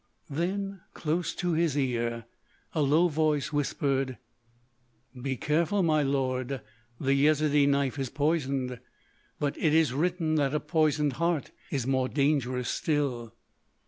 Then, close to his ear, a low voice whispered: "Be careful, my lord; the Yezidee knife is poisoned. But it is written that a poisoned heart is more dangerous still."